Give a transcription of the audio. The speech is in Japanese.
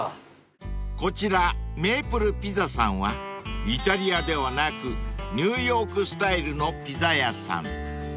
［こちらＭａｐｌｅＰｉｚｚａさんはイタリアではなくニューヨークスタイルのピザ屋さん］